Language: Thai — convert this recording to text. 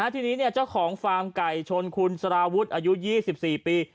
ทีนี้เจ้าของฟาร์มไก่ชนคุณสารวุฒิอายุ๒๔ปี